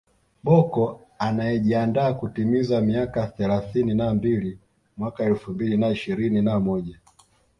Bocco anayejiandaa kutimiza miaka thelathini na mbili mwaka elfu mbili na ishirini na moja